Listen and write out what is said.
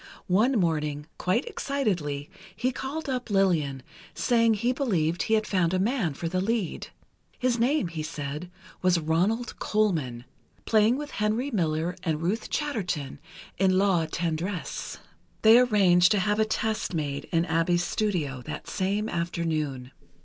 One morning, quite excitedly, he called up Lillian, saying he believed he had found a man for the lead. His name, he said, was Ronald Colman, playing with Henry Miller and Ruth Chatterton, in "La Tendresse." They arranged to have a test made in Abbe's studio, that same afternoon.